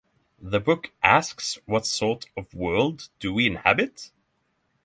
The book asks what sort of world do we inhabit?